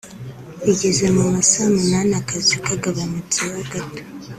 Bigeze mu ma saa munani akazi kagabanutse ho gato